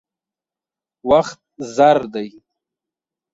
وخت زر دی.